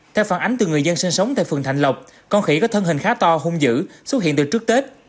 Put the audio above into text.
theo phản ánh từ người dân sinh sống tại phường thạnh lộc con khỉ có thân hình khá to hung dữ xuất hiện từ trước tết